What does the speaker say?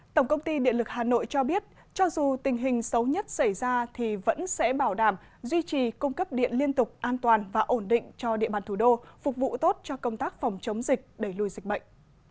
tổng công ty điện lực hà nội cho biết cho dù tình hình xấu nhất xảy ra thì vẫn sẽ bảo đảm duy trì cung cấp điện liên tục an toàn và ổn định cho địa bàn thủ đô phục vụ tốt cho công tác phòng chống dịch đẩy lùi dịch bệnh